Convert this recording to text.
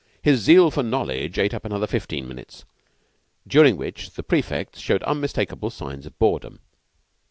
His zeal for knowledge ate up another fifteen minutes, during which the prefects showed unmistakable signs of boredom.